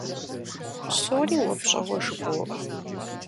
Псори уэ пщӀэуэ жыбоӀэ.